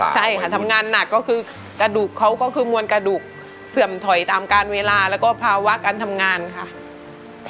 ใช่ค่ะทำงานหนักก็คือกระดูกเขาก็คือมวลกระดูกเสื่อมถอยตามการเวลาแล้วก็ภาวะการทำงานค่ะ